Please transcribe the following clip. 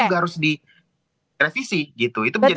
itu juga harus direvisi gitu